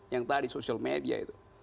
yang tadi social media itu